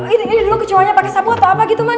ini dulu kecohannya pake sapu atau apa gitu man